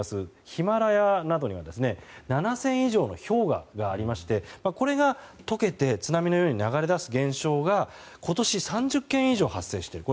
ヒマラヤなどには７０００以上の氷河がありましてこれが解けて津波のように流れ出す現象が今年３０件以上発生している。